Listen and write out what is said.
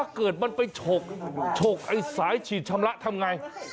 เกิดมันไปฉกไอ้สายฉีดชำระทำไง